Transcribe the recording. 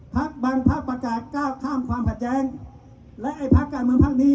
ภักดิ์บังภักดิ์ประกาศก้าวข้ามความขาดแย้งและไอ้ภักดิ์การเมืองภักดิ์นี้